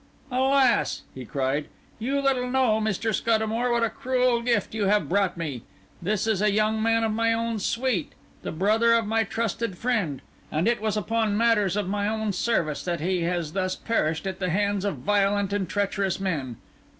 "Alas!" he cried, "you little know, Mr. Scuddamore, what a cruel gift you have brought me. This is a young man of my own suite, the brother of my trusted friend; and it was upon matters of my own service that he has thus perished at the hands of violent and treacherous men.